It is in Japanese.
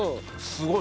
すごい！